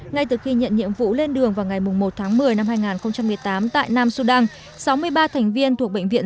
ngay từ khi nhận nhiệm vụ lên đường vào ngày một tháng một mươi năm hai nghìn một mươi tám tại nam sudan sáu mươi ba thành viên thuộc bệnh viện